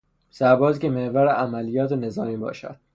سربازی که محور عملیات نظامی باشد